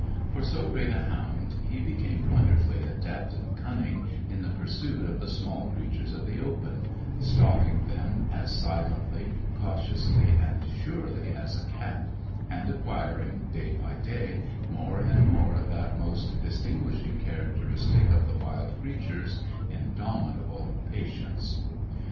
For so great a hound, he became wonderfully adept and cunning in the pursuit of the small creatures of the open; stalking them as silently, cautiously, and surely as a cat, and acquiring, day by day, more and more of that most distinguishing characteristic of the wild creatures: indomitable patience.